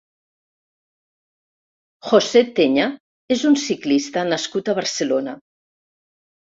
José Teña és un ciclista nascut a Barcelona.